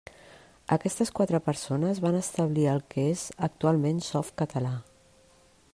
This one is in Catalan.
Aquestes quatre persones van establir el que és actualment Softcatalà.